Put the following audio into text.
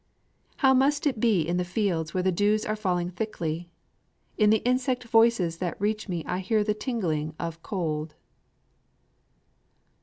How must it be in the fields where the dews are falling thickly! In the insect voices that reach me I hear the tingling of cold.